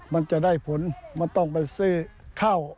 มันจะได้ผลมันต้องไปซื้อข้าว